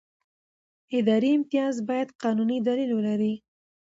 اداري امتیاز باید قانوني دلیل ولري.